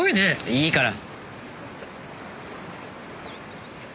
いいから。